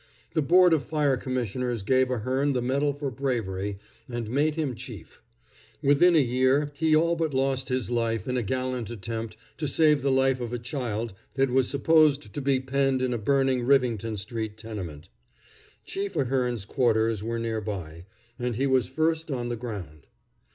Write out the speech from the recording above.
The Board of Fire Commissioners gave Ahearn the medal for bravery, and made him chief. Within a year he all but lost his life in a gallant attempt to save the life of a child that was supposed to be penned in a burning Rivington street tenement. Chief Ahearn's quarters were near by, and he was first on the ground.